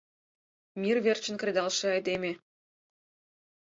Мир верчын кредалше айдеме.